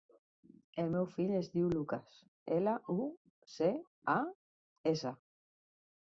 El meu fill es diu Lucas: ela, u, ce, a, essa.